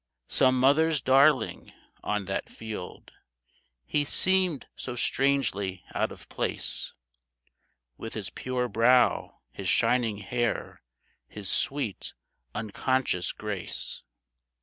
" Some mother's darling ! On that field He seemed so strangely out of place, With his pure brow, his shining hair, His sweet, unconscious grace.